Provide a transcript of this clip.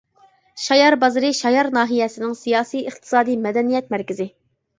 شايار بازىرى شايار ناھىيەسىنىڭ سىياسىي، ئىقتىسادى، مەدەنىيەت مەركىزى.